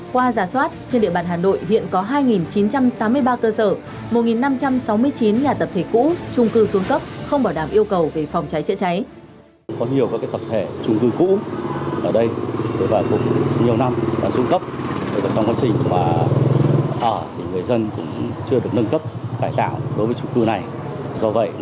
qua giả soát trên địa bàn hà nội hiện có hai chín trăm tám mươi ba cơ sở một năm trăm sáu mươi chín nhà tập thể cũ trung cư xuống cấp không bảo đảm yêu cầu về phòng cháy chạy cháy